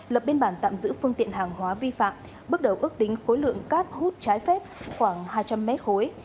lập biên bản tạm giữ phương tiện hàng hóa vi phạm bước đầu ước tính khối lượng cát hút trái phép khoảng hai trăm linh mét khối